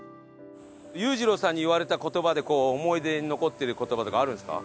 裕次郎さんに言われた言葉で思い出に残ってる言葉とかあるんですか？